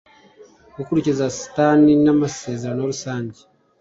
gukurikiza sitati n amasezerano rusange